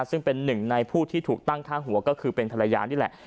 ซึ่งเป็นหนึ่งในผู้ที่ถูกตั้งค่าหัวก็คือเป็นภรรยานี่แหละ